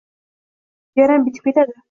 Yaram bitib ketadi.